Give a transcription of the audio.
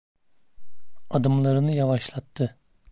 Adımlarını yavaşlattı.